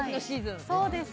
そうです。